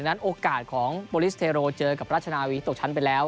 โอกาสของโบลิสเทโรเจอกับราชนาวีตกชั้นไปแล้ว